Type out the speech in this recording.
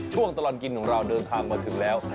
ช่วงตลอดกินของเราเดินทางมาถึงแล้ว